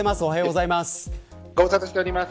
ご無沙汰しております。